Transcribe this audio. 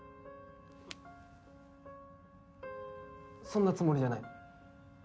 そんなつもりじゃない。